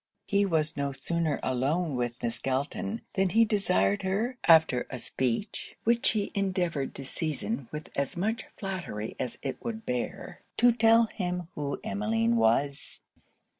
He was no sooner alone with Miss Galton, than he desired her, after a speech (which he endeavoured to season with as much flattery as it would bear) to tell him who Emmeline was?